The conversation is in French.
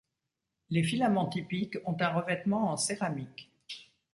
Les filaments typiques ont un revêtement en céramique.